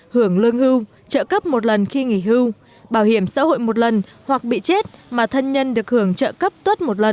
hưởng lương hưu trợ cấp một lần khi nghỉ hưu bảo hiểm xã hội một lần hoặc bị chết mà thân nhân được hưởng trợ cấp tuất một lần